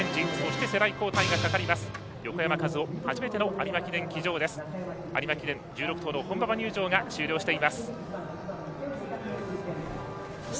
有馬記念１６頭の本馬場入場が終了しています。